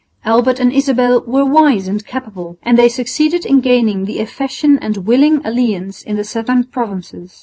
Albert and Isabel were wise and capable, and they succeeded in gaining the affection and willing allegiance of the southern provinces.